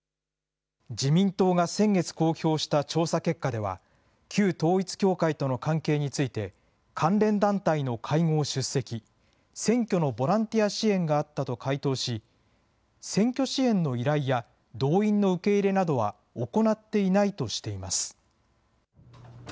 自民党が先月公表した調査結果では、旧統一教会との関係について、関連団体の会合出席、選挙のボランティア支援があったと回答し、選挙支援の依頼や、動員の受け入れなどは行っていないとしています。